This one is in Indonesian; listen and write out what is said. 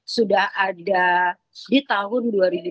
sudah ada di tahun